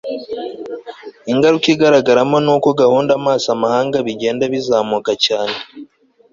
ingaruka igaragaramo ni uko guhanga amaso amahanga bigenda bizamuka cyane